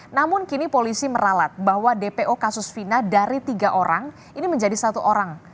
namun kini polisi meralat bahwa dpo kasus fina dari tiga orang ini menjadi satu orang